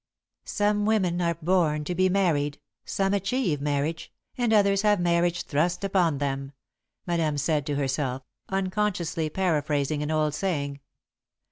"Some women are born to be married, some achieve marriage, and others have marriage thrust upon them," Madame said to herself, unconsciously paraphrasing an old saying.